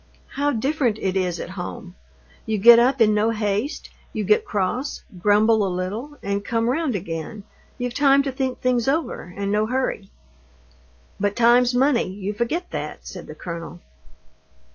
How different it is at home! You get up in no haste, you get cross, grumble a little, and come round again. You've time to think things over, and no hurry." "But time's money, you forget that," said the colonel.